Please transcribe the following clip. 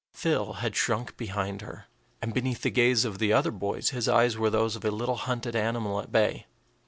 Phil had shrunk behind her, and beneath the gaze of the other boys his eyes were those of a little hunted animal at bay.